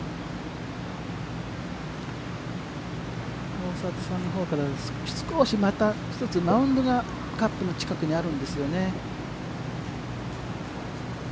大里さんのほうから少しまた１つ、マウンドがカップの近くにあるんですよね。